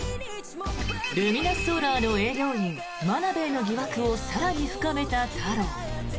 ルミナスソーラーの営業員真鍋への疑惑を更に深めた太郎。